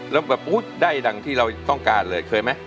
แล้วแบบอุ๊ยได้ดังที่เราต้องการเลยเคยไหม